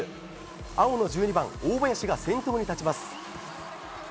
青の１２番、大林が先頭に立ちます。